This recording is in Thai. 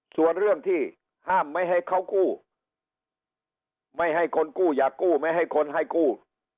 ส่วนเรื่องที่ห้ามไม่ให้เขากู้ไม่ให้คนกู้อย่ากู้ไม่ให้คนให้กู้